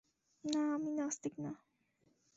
না, আমি নাস্তিক না।